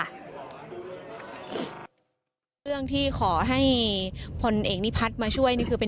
เรื่องที่ขอให้พลเอกนิพัฒน์มาช่วยนี่คือเป็น